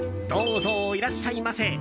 どうゾウ、いらっしゃいませ。